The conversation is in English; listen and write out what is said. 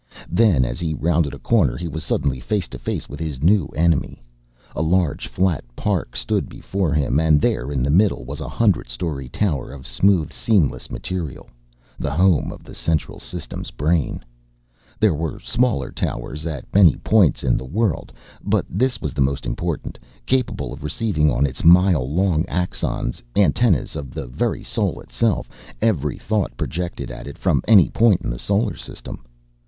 Then, as he rounded a corner, he was suddenly face to face with his new enemy. A large flat park stood before him and there in the middle was a hundred story tower of smooth seamless material, the home of the Central System's brain. There were smaller towers at many points in the world but this was the most important, capable of receiving on its mile long axons, antennas of the very soul itself, every thought projected at it from any point in the solar system.